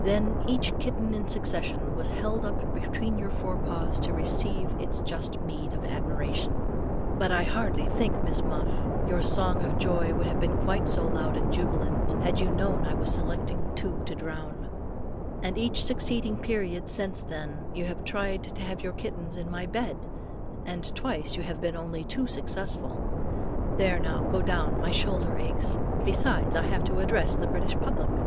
Then each kitten in succession was held up between your forepaws to receive its just meed of admiration. But I hardly think, Miss Muff, your song of joy would have been quite so loud and jubilant, had you known I was selecting two to drown. And each succeeding period since then, you have tried to have your kittens in my bed, and twice you have been only too successful. There, now, go down, my shoulder aches; besides, I have to address the British public.